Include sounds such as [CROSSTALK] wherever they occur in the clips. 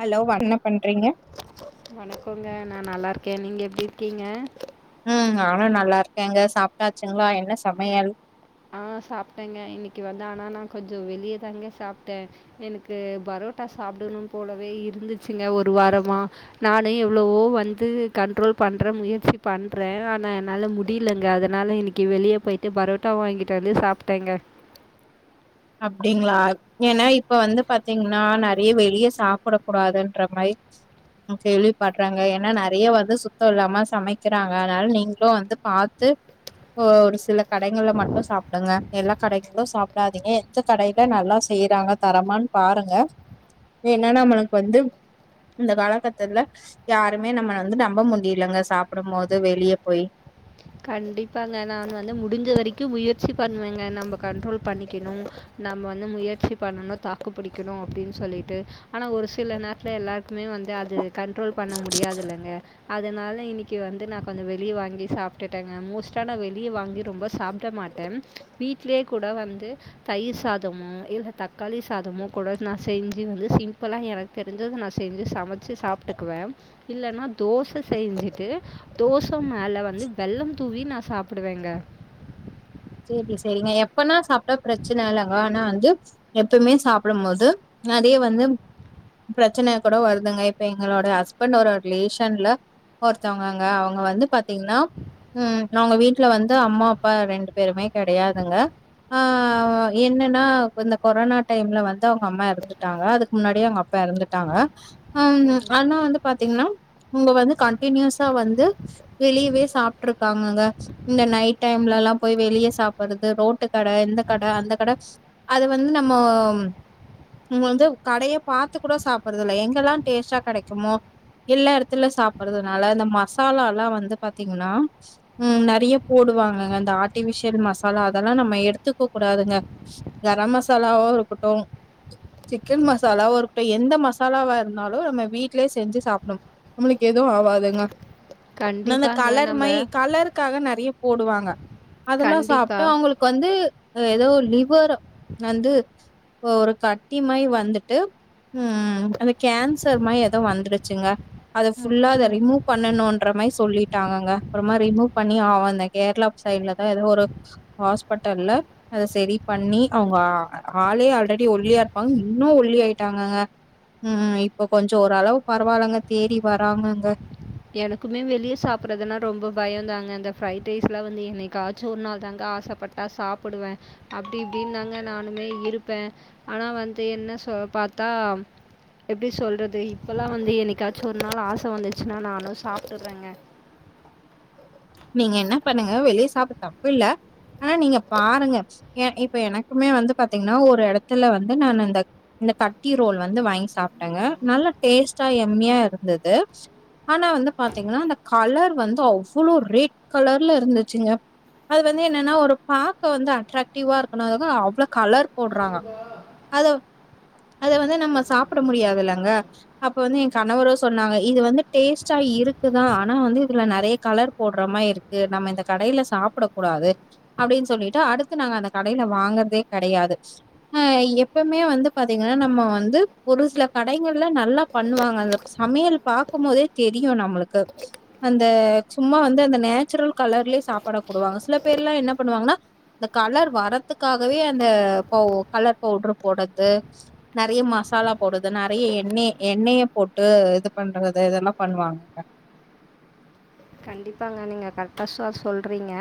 Hello என்ன பண்றீங்க வணக்கோங்க நா நல்லா இருக் கே நீங்க எப்டி இருக்கீங்க ம் நானு நல்லா இருக்கேங்க சாப்டாச்சுங்ளா என்ன சமயல் ஆ சாப்ட்டேங்க இன்னக்கி வந்து ஆனா நா கொஞ்சோ வெளியதாங்க சாப்ட்டே எனக்கு பரோ ட்டா சாப்டணு போலவே இருந்துச்சுங்க ஒரு வாரமா நானு எவ்ளவோ வந்து கண்ட்ரோ ல் பண்ற முயற்சி பண்றே ஆனா என்னால முடியலங்க அதனால இன்னக்கி வெளிய போய்ட்டு பரோட் டா வாங்கீட்டு வந்து சாப்ட்டேங்க அப்டீங்களா ஏன்னா இப்ப வந்து பாத்தீங்கன்னா நெறைய வெளிய சாப்ட கூடாதுன்ற மாரி கேள்விப்பட்றேங்க ஏன்னா நெறைய வந்து சுத்தோ இல்லாம சமைக்கிறாங்க அதனால நீங்களு வந்து பாத்து ஓ ஒரு சில கடைங்கள்ல மட்டு சாப்டுங்க எல்லா கடைங்களு சாப்டாதீங்க எ ந்த கடைல நல்லா செய்றாங்க தரமான்னு பாருங்க ஏன்னா நம்மளுக்கு வந்து இந்த காலகட்டத்துல யாருமே நம்மள வந்து நம்ப முடியலங்க சாப்டும் போது வெளிய போய் கண்டிப்பாங்க நான் வந்து முடிஞ்ச வரைக்கு முயற்சி பண்ணுவேங்க நம்ப கண்ட்ரோல் பண்ணிக்கணு நாம வந்து முயற்சி பண்ணணு தாக்கு புடிக்கணு அப்டீன் சொல்லீட்டு ஆனா ஒரு சில நேரத்துல எல்லார்க்குமே வந் வந்து அது கண்ட்ரோல் பண்ண முடியாதுல்லங்க அதனால இன்னக்கி வந்து நா கொஞ்சோ வெளிய வாங்கி சாப் விட்டுட்டேங்க மோஸ்டா நா வெளிய வாங்கி ரொம்ப சாப்டமாட்டே வீட்லயே கூட வந்து தயிர் சாதமோ இல்ல தக்காளி சாதமோ கூட நா செஞ்சி வந்து சிம்பிளா எனக்கு தெரிஞ்சத நா செஞ்சி சா சமச்சி சாப்ட்டுக்குவே இல்லனா தோச செய்ஞ்சிட்டு தோச மேல வந்து வெள்ளம் தூவி நா சாப்டுவேங்க சேரி சேரிங்க எப்பனா சாப்ட்டா பிரச்சன இல்லங்க ஆனா வந்து எப்பயுமே சாப்டும் போது அதே வந்து பிரச்சன கூட வருதுங்க இப்ப எங்களோட ஹஸ்பண்ட்டோட ரிலேஷன்ல ஒருத்தவங்கங்க அவங்க வந்து பாத்தீங்கன்னா ம் அவங்க வீட்ல வந்து அம்மா அப்பா ரெண்டு பேருமே கெடயாதுங்க ஆ என்னன்னா இந்த கொரானா டைம்ல வந்து அவுங்க அம்மா இறந்துட்டாங்க அதுக்கு முன்னாடியே அவுங்க அப்பா இறந்துட்டாங்க ஆ ஆனா வந்து பாத்தீங்கன்னா அவுங்க வந்து கண்டினியூஸா வந்து வெளியவே சாப்ட்டுருக்காங்கங்க இந்த நைட் டைம்லல்லா போய் வெளிய சாப்டுறது ரோட்டு கட இந்த கட அந்த கட அது வந்து நம்மோ அவுங்க வந்து கடைய பாத்து கூட சாப்டுறதுல்ல எங்கெல்லா டேஸ்ட்டா கெடைக்குமோ எல்லா இடத்துல சாப்பறதுனால இந்த மசாலால்லா வந்து பாத்தீங்கன்னா ம் நெறைய போடு வாங்கங்க அந்த ஆ ர்ட்டிபிஷ்யன் மசாலா அதெல்லா நம்ம எடுத்துக்க கூடாதுங்க கரம் மசாலாவோ இருக்கட்டு சிக்கன் மசாலாவா இருக்கட்டு எந்த மசாலாவா இருந்தாலு நம்ம வீட்லயே செஞ்சி சாப்டணு நம்மளுக் கு எதுவு ஆவாதுங்க இந்தந்த கண்டிப்பாங்க கலர் நம்ம மை கலருக்காக நெறைய போடுவாங்க அதெல்லா சாப்ட்டு கண்டிப்பாக அவுங்களுக்கு வந்து ஏதோ லிவர் வந்து ஒரு கட்டிமாயி வந்துட்டு ம் அந்த கேன்சர் மாயி எதோ வந்துருச்சுங்க அத ஃபுல்லா அத அச்சோ ரிமூவ் பண்ணணுன்ற மாயி சொல்லிட்டாங்கங்க அப்பறமா ரிமூவ் பண்ணி அவ அந்த கேர்ளா சைட்ல அ எதோ ஒரு ஹாஸ்பட்டல்ல அத செரி பண்ணி அவ்ங்க ஆளே ஆல்ரெடி ஒள்ளியா இருப்பாங்க இன்னு ஒள்ளி ஆயிட்டாங்கங்க ம் இப்ப கொஞ்ச ஓரளவு பரவால்லங்க தேறி வராங்கங்க எனக்குமே வெளிய சாப்ட்றதுனா ரொம்ப பயோந்தாங்க இந்த ஃப்ரைட் ரைஸ்லா வந்து என்னைக்காச்சு ஒரு நாள் தாங்க ஆசப்பட்டா சாப்புடுவே அப்டி இப்படின்தாங்க நானுமே இருப்பே ஆனா வந்து என்ன சொ அ பாத்தா எப்டி சொல்றது இப்பலா வந்து என்னைக்காச்சு ஒரு நாள் ஆச வந்துச்சுனா நா ம் சாப்ட்டுற்றேங்க நீங்க என்ன பண்ணுங்க வெளிய சாப்ட தப்பில்ல ஆனா நீங்க பாருங்க எ இப்ப எனக்குமே வந்து பாத்தீங்னா ஒரு எடத்துல வந்து நானு இந்த இந்த கட்டி ரோல் வந்து வாங்கி சாப்ட்டங்க நல்லா டேஸ்ட்டா எம்மியா இருந்தது ஆனா வந்து பாத்தீங்னா அந்த கலர் வந்து அவ்வளோ ரெட் கலர்ல இருந்துச்சுங்க அது வந்து என்னனா ஒரு பாக்க வந்து அட்ராக்டிவ்வா இருக்கனாலதா அவ்ளோ கலர் போட்றாங்க அதோ அத வந்து நம்ம சாப்புட முடியாதுலங்க அப்ப வந்து எ கணவரு சொன்னாங்க இது வந்து டேஸ்ட்டா இ இருக்குதா ஆனா வந்து இதுல நெறைய கலர் போட்ற மாயி இருக்கு நம்ம இந்த கடைல சாப்டக் கூடாது அப்டின் சொல்லிட்டு அடுத்து நாங்க அந்த கடைல வாங் கற்தே கெடையாது அ எப்பவ்மே வந்து பாத்தீங்கனா நம்ம வந்து ஒரு சில கடைங்கள்ல ந நல்லா பண்ணுவாங்க அந்த சமையல் பாக்கும்போதே தெரியு நம்மளுக்கு அந்த சும்மா வந்து அந்த நேச்சுரல் கலர்லே சாப்பாட குடுவாங்க சில பேர்லா என்ன பண்ணுவாங்கனா இந்த கலர் வரத்துக் க்காகவே அந்த பவ் கலர் பவ்ட்ரு போட்றது நெறைய மசாலா போட்றது நெறைய எ எண்ணெ எண்ணெய்ய போட்டு இது பண்றது இதெல்லா பண்ணுவாங்கங்க [INAUDIBLE] கண்டிப்பாங்க நீங்க கர்ட்டா சொ சொல்றீங்க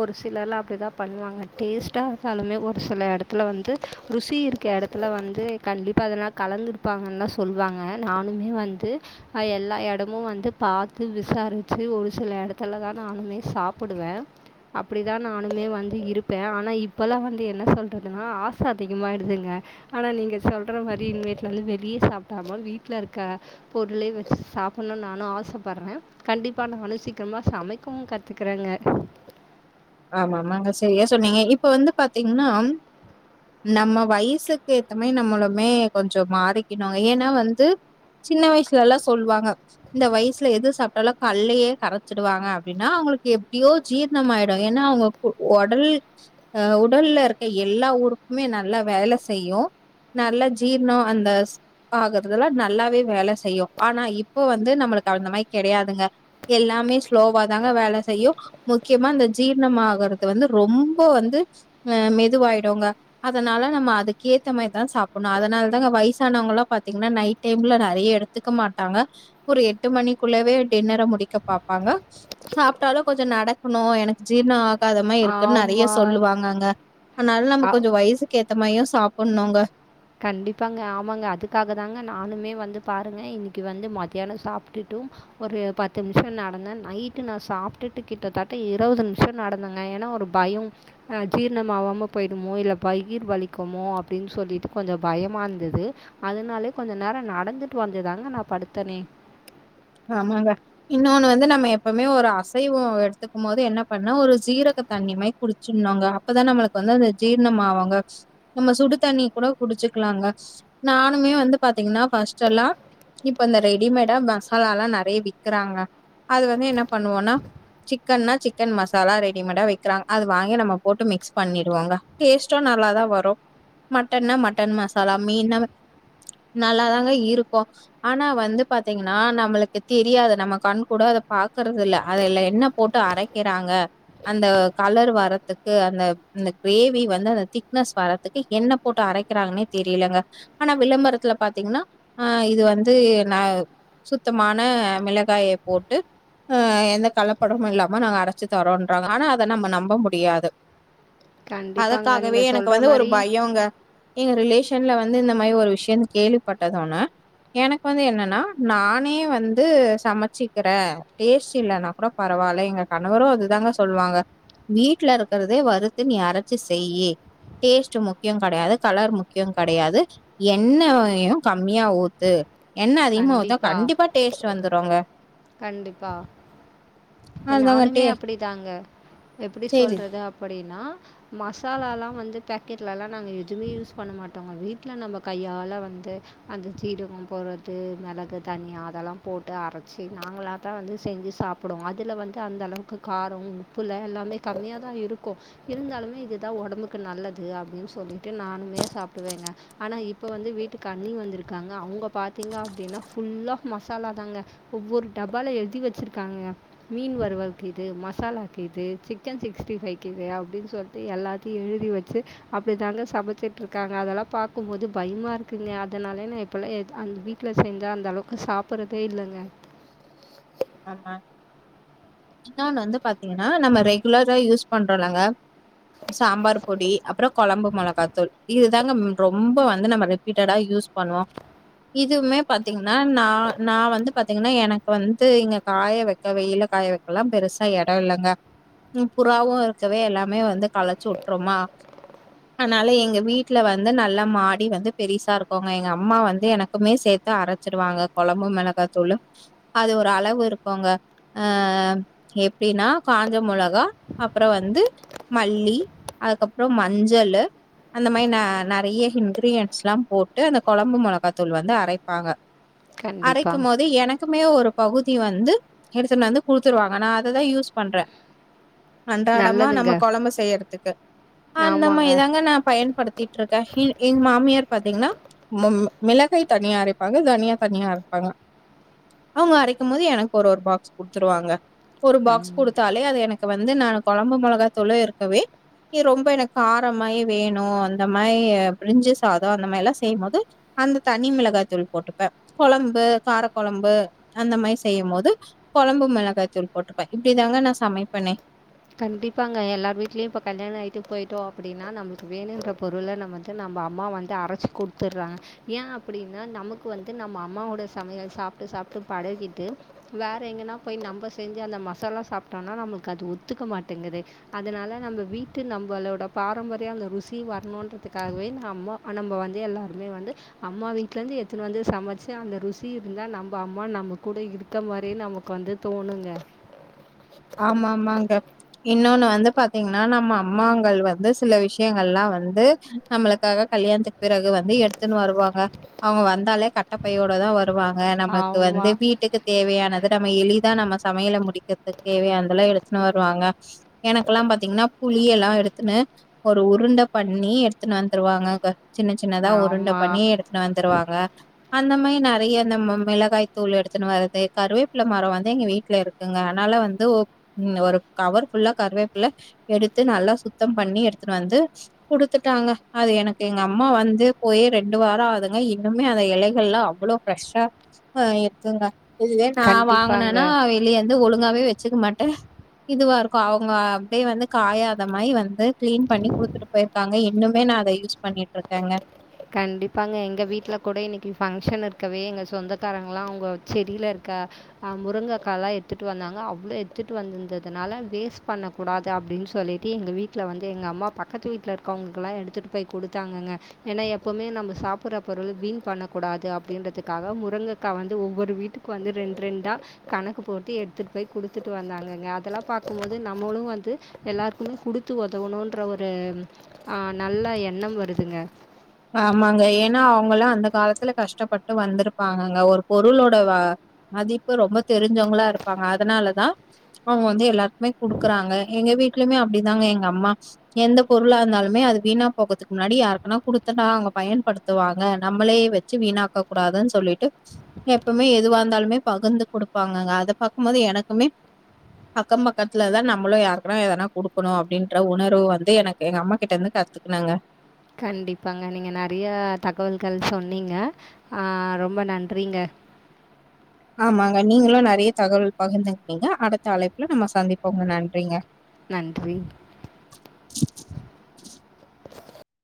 ஒரு சிலர்லா அப்டி தா பண்ணுவாங்க டேஸ்ட்டா இருக்கா நானுமே ஒரு சில எடத்துல வந்து ருசி இருக்க எடத்துல வந்து கண்டிப்பா எதனா கலந்துருப்பாங்கன்தா சொல்வாங்க நானுமே வந்து அ எல்லா எடமு வந்து பாத்து விசாரிச்சு ஒரு சில எடத்துல தா நானுமே சாப்புடுவே அப்டிதா நானுமே வந்து இருப்பே ஆனா இப்பலா வந்து என்ன சொல்றதுனா ஆச அதிகமாயிடுதுங்க ஆனா நீங்க சொல்ற மாரி இனிமேட்லா வெளிய சாப்டாம வீட்ல இருக்க பொருளே வச்சு சா சாப்புட்ணுனு நானு ஆசப்பட்றே கண்டிப்பா நானு சா சீக்கரமா சமைக்கவு கத்துக்குறேங்க ஆமாமாங்க செரியா சொன்னீங்க இப்ப வந்து பாத்தீங்னா நம்ம வயசுக்கு ஏத்த மாயி நம்மளுமே கொஞ்ச மாறிக்கெணுங்க ஏனா வந்து சின்ன வயசுலலா சொல்வாங்க இந்த வயசுல எது சாப்ட்டாலு கல்லயே கரச்சிடுவாங்க அப்டினா உங்களுக்கு எப்டியோ ஜீர்ணமாயிடு டு ஏனா அவ்ங்க கொ ஒடல் அ உடல்ல இருக்க எல்லா உறுப்புமே நல்லா வேல செய்யு நல்லா ஜீர்ண அந்தஸ் ஆகறதெல்லா நல்லாவே வேல செய்யு ஆனா இப்போ வந்து நம்ம பட் அந்த மாயி கெடையாதுங்க எல்லாமே ஸ்லோவா தாங்க வேல செய்யு முக்கியமா இந்த ஜீர்ணமாகறது வந்து ரொம்ப வந்து அ மெதுவாய்டுங்க அதனால நம்ம அதுக்கே த்தமாரிதான் சாப்புட்ணு அதனாலதாங்க வய்சானவங்கலா பாத்தீங்னா நைட் டைம்ல நெறைய எடுத்துக்க மாட்டாங்க ஒரு எட்டு மணிக்குள்ளவே டின்னர முடிக்கப் பாப்பாங்க சாப்ட்டாலு கொஞ்ச நடக்கணு எனக் ஜீர்ண ஆகாதமாயா இருக்குன் நெறைய ஆமாம் சொல்லுவாங்கங்க அதுனால நம்ம கொஞ்ச வயசுக்குகேத் த்தமாய்யு சாப்புட்னோங்க கண்டிப்பாங்க ஆமாங்க அதுக்காக தாங்க நானுமே வந்து பாருங்க இன்னைக்கு வந்து மத்யான சாப்ட்டுட்டு ஒரு பத்து நிம்ஷ நடந்தே நைட்டு நா சாப்ட்டுட்டு கிட்டத்தட்ட இருவது நிம்ஷ நடந்தங்க ஏனா ஒரு பயோ அ ஜீர்ணமாவாம போயிடுமோ இல்ல வயிற் வலிக்குமோ அப்டின் சொல்லிட்டு கொஞ்ச பயமா இருந்தது அதனாலே கொஞ்ச நேர நடந்துட்டு வந்துதாங்க நா படுத்தனே ஆமாங்க இன்னொன்னு வந்து நம்ம எப்பமே ஒரு அசைவோ எடுத்துக்கு போது என்ன பண்ண ஒரு சீரக தண்ணி மரி குடிச்சின்னுங்க அப்பதா நம்ளுக்கு வந்து அந்த ஜீர்ணமாவுங்க நம்ம சுடு தண்ணி கூட குடிச் குலாங்க நானுமே வந்து பாத்தீங்னா ஃபஸ்டெல்லா இப்ப இந்த ரெடிமேடா சாலாலா நறைய விக்கிறாங்க அது வந்து என்ன பண்ணுவோனா சிக்கன்னா சிக்கன் மசாலா ரெடிமேடா விக்கிறாங்க அது வாங்கி நம்ம போட்டு மிக்ஸ் பண்ணிருவோங்க டேஸ்டு நல்லாதா வரு மட்டன்னா மட்டன் மசாலா மீன் னா நல்லாதாங்க இருக்கு ஆனா வந்து பாத்தீங்னா னா நம்ளுக்கு தெரியாது நம்ம கண் கூட அத பாக்குறது இல்ல அதுல என்ன போட்டு அரைக்கிறாங்க அந்த கலர் வரத்துக்கு அந்த அந்த கிரேவி வந்து அந்த திக்னஸ் வர்றதுக்கு என்ன போட்டு அரைக்குறாங்கனே தெரிலங்க ஆனா விளம்பரத்துல பாத்தீங்னா ஆ இது வந்து ந சுத்தமான மிளகாய போட்டு அ எந்த கள்ளப்படமு இல்லாம நாங்க அரைச்சு தரோன்றாங்க ஆனா அத நம்ம நம்ப முடியாது கண்டிப்பாங்க. அதுக்காகவே நீங்க எனக்கு சொல்ற வந்து ஒரு மாரி பயோ ங்க எங்க ரிலேஷன்ல வந்து இந்த மாரி ஒரு விஷ்யம் கேள்விப்பட்டதொன எனக்கு வந்து என்னன்னா நானே வந்து சமைச்சிக்றே டேஸ்ட் இல்லனா கூட பரவால்ல எங்க கணவரு அதுதா அதா சொல்வாங்க வீட்ல இருக்றதே வறுத்து நீ அரச்சி செய்யி டேஸ்ட் முக்கியோ கடையாது கலர் முக்கியோ கடையாது எண்ணவயு கம்மியா ஊத்து எண்ண அதிகமா ஊத்னா கண்டிப்பா டேஸ்ட் வந்துருங்க கண்டிப்பா அதுதாங்க நானுமே டே அப்டி தாங்க எப்டி சரி. சொல்றது அப்படின்னா மசாலாலா வந்து பேக்கெட்லலா நாங்க எதுமே யூஸ் பண்ண மாட்டோங்க வீட்ல நம்ம கையால வந்து அந்த சீர ம் போறது து மெளகு தண்ணி அதெல்லா போட்டு அரைச்சு நாங்களா தா வந்து செஞ்சு சாப்டுவோ அதுல வந்து அந்த ளவுக்கு காரொ உப்புல எல்லாமே கம்மியா தா இருக்கு இருந்தாலுமே இதுதா ஒடம்புக்கு நல்லது அப்டின் சொல்லிட்டு நானுமே சாப்டுவேங்க ஆனா இப்ப வந்து வீட்டுக்கு அண்ணி வந்துருக்காங்க அவங்க பாத்து க அப்டினா ஃபுல்லா மசாலா தாங்க ஒவ்வொரு டபால எழுதி வச்சிருக்காங்கக மீன் வறு வலுக்கிது மசாலாக்கிது சிக்கன் சிக்ஸ்டி ஃபைவ் க்கிது அப்டின் சொல்ட்டு எல்லாத்தையு எழுதி வச்சு அப்டிதாங்க சமைச்சிட்ருக்காங்க அதெல்லா பாக்கும்போது பயமா இருக்குங்க அதனாலே நா இப்பல்லா எது அந்த வீட்ல செஞ்சா அந்த அளவுக்கு சாப்புறதே இல்லங்க ஆமா இன்னொனு வந்து பாத்தீங்கன்னா நம்ம ரெகுலரா யூஸ் பண்றோலங்க சாம்பார் பொடி அப்ரோ கொழம்பு மொளகாத்தூள் இதுதாங்க ரொம்ப வந்து நம்ம ரிபீட்டடா யூஸ் பண்ணுவோ இதுவுமே பாத்தீங்னா நா நா வந்து பாத்தீங்னா எனக்கு வந்து து இங்க காய வைக்க வெயில காய வைக்கலா பெருசா எடொ இல்லங்க ம் புறாவு இருக்கவே எல்லாமே வந்து களச்சு உட்ருமா அனால எங்க வீட்ல வந்து நல்லா மாடி வந்து பெரிசா இருக்குங்க எங்க அம்மா வந்து எனக்குமே சேத் து அரைச்சிருவாங்க கொழம்பு மெளகாத்தூளு அது ஒரு அளவு இருக்குங்க அ எப்டின்னா காஞ்ச மொளகா அப்றம் வந்து து மல்லி அதுக்கப்ரோ மஞ்சளு அந்த மாயி ந நறைய இன்கிரீயன்ஸ்லா போட்டு அந்த கொழம்பு மொளகாத்தூள் வந்து அரைப்பாங்க கண்டிப்பாக அரைக்குமோது எனக்குமே ஒரு பகுதி வந்து எடுத்துன் வந்து குடுத்துருவாங்க நா அததா யூஸ் பண்றே அன்றாடமா நல்லதுங்க நம்ம கொழம்பு செய்யறத்துக்கு அந்த ஆமாங்க மாரிதாங்க நா பயன்படுத் த்திட்ருக்கே ஹி எங் மாமியார் பாத்தீங்னா மோ ம் மிளகாய் தனியா அரைப்பாங்க தனியா தனியா அரைப்பாங்க அவங்க அரைக்கமோது எனக்கு ஒரு ஒரு பாக்ஸ் குடுத்துருவாங்க ஒரு பாக்ஸ் ம் குடுத்தாலே அது எனக்கு கு வந்து நானு கொழம்பு மொளகாய் தூளு இருக்கவே கே ரொம்ப எனக்கு காரமாயே வேணு அந்த மாரி பிரிஞ்சு சாதொ அந்த மாரில்லா செய்யம்போது அந்த தனி மிளகாய் தூள் போட்டுப்பே கொழம்பு கார கொழம்பு அந்த மாரி செய்யம்போது கொழம்பு மெளகாய் தூள் போட்டுப்பே இப்டிதாங்க நா சமைப்பனே கண்டிப்பாங்க எல்லார் வீட்லயு இப்ப கல்யாணோ ஆயிட்டு பொயிட்டோ அப்டின்னா நம்ளுக்கு வேணுன்ற பொருள நம்ப வந்து நம் ப அம்மா வந்து அரச்சி குடுத்துறாங்க ஏ அப்டின்னா நமக்கு வந்து நம்ப அம்மாவோட சமையல் சாப்ட்டு சா ப்ட்டு பழகிட்டு வேற எங்கனா போய் நம்ப செஞ்ச அந்த மசாலா சாப்ட்டோனா நம்ளுக்கு அது ஒத் துக்க மாட்டேங்குது அதனால நம்ப வீட்டு நம்பளோட பாரம்பரியோ அந்த ருசி வரணுன்றதுக்காகவே நம்போ நம்ப வந்து எல்லாருமே வந்து அம்மா வீட்டு இருந்து எத்துனு வந்து சமச்சி அந்த ருசி இருந்தா நம் ப அம்மா நம்ப கூட இருக்க மாரியே நமக்கு வந்து தோணுங்க ஆமா ஆமாங்க இன்னொன்னு வந்து பாத்தீங்கன்னா நம்ப அம்மாங்கள் வந்து சில விஷயங்கள்லா வந்து நம்மளுக்காக கல்யாணத்துக்கு பிறகு வந்து எடுத்துன்னு வருவாங்க அவங்க வந்தாலே கட்டப்பையோட தா வரு வாங்க நம்ளுக்கு வந்து ஆமாம் வீட்டுக்கு தேவையானது நம்ப எளிதா நம்ப சமையல முடிக்கறதுக் தேவையானதெல்லா எடுத்துன்னு வருவாங்க எனக்கெல்லா பாத்தீங்கன்னா புலியெல்லா எடுத்துன்னு ஒரு உருண்ட பண்ணி எடுத்துட்டு வந்துருவாங்க சின்ன சின்னதா உருண்டை ஆமாம் பண்ணி எடுத்துன்னு வந்துருவாங்க அந்த மாரி நெறையா இந்த மிளகாய் தூளு எடுத்துன்னு வரது கருவேபிள மரோ வந்து எங்க வீட்ல இருக்குங்க அதனால வந் உ இன்னோ ஒரு கவர் ஃபுல்லா கருவேபிள்ள எடுத்து நல்லா சுத்தம் பண்ணி எடுத்துட்டு வந்து குடுத்துட்டாங்க அது எனக்கு எங்க அம்மா வந்து போய் ரெண்டு வாரோ ஆகுதுங்க இன்னுமே அந்த எலைகள்லா அவ்ளோ ஃப்ரெஷா இருக்குங்க இதுவே நா வாங்கனேனா கண்டிப்பாங்க வெளிய வந்து ஒழுங்காவே வச் சிக்க மாட்டே இதுவா இருக்கு அவுங்க அப்டியே வந்து காயாத மாரி வந்து கிளீன் பண்ணி குடுத்துட்டு பொயிருவாங்க இன்னுமே அத யூஸ் பண்ணிட்ருக்கேங்க கண்டிப்பாங்க எங்க வீட்ல கூட இன்னிக்கு பங்க்ஷன் இருக்கவே எங்க சொந்தக்காரங்கலா அவங்க செடியில இருக் க முருங்கக்காலா எடுத்துட்டு வந்தாங்க அவ்ளோ எடுத்துட்டு வந்ததுனால வேஸ்ட் பண்ணக்கூடாது அப் அப்டின்னு சொல்லிட்டு எங்க வீட்ல வந்து எங்க அம்மா பக்கத்து வீட்ல இருக்கவங்ளுக்குலா எடுத்துட்டு போய் குடுத்தாங்கக ஏனா எப்பவுமே நம்ப சாப்பட்ற பொருள் வீண் பண்ணக்கூடாது அப்டின்றதுக்காக முருங்கக்கா வந்து ஒவ்வொரு வீட்டுக் கு வந்து ரெண் ரெண்ட கணக்கு போட்டு எடுத்துட்டு போய் குடுத்துட்டு வந்தாங்கக அதெல்லா பாக்கும்போது நம்பளு வந்து து எல்லாருக்குமே குடுத்து ஒதவுணுன்ற ஒரு ஆ நல்ல எண்ணம் வருதுங்க அவங்களா அந்த காலத்துல கஷ்ட்டபட்டு வந்துருப்பாங்கக ஒரு பொருளோட மதிப்பு ரொம்ப தெரிஞ்ச [UNINTELLIGIBLE] இருப்பாங்க அதனால தா அவங்க வந்து எல்லாருக்குமே குடுக்குறாங்க எங்க வீட்லயுமே அப்டிதாங்க எங்க அம்மா எந்த பொருளா இருந்தாலுமே ஏ அது வீணா போகக்கதுக்கு முன்னாடி யாருக்குனா குடுத் துனா அவங்க பயன்படுத்துவாங்க நம்பளே வச்சி வீணாக்க கூடாதுன்னு சொல்லிட்டு எப்பமே எதுவா இருந்தாலுமே பகுந்து குடுப்பாங்கக அத பாக்கும் போது எனக்குமே அக்கம் பக்கத்துல தா நம்ளு யாருக்குனா எதனா குடுக்கனு அப்டின்ற உணர்வு வந்து எனக்கு எங்க அம்மா கிட்ட இருந்து க த்துகினேங்க கண்டிப்பாங்க நீங்க நெறையா தகவல்கள் சொன்னீங்க ஆ ரொம்ப நன்றிங்க ஆமாங்க நீங்களு நெறையா தகவல் பகிர்ந்துகினிங்க அடுத்த அழைப்புல நம்ப சந்திப்போங்க நன்றிங்க நன்றி